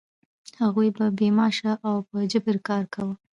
هغوی به بې معاشه او په جبر کار کاوه.